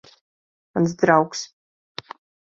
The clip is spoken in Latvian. Mans draugs.